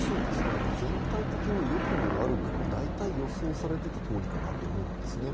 全体的に良くも悪くも大体予想されていたとおりかなと思うんですね。